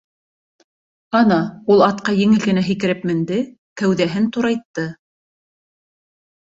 Ана, ул атҡа еңел генә һикереп менде, кәүҙәһен турайтты.